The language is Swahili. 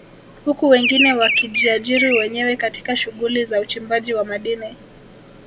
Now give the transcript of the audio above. Huku wengine wakijiajiri wenyewe katika shughuli za uchimbaji wa madini